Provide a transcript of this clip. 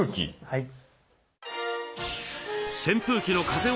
はい。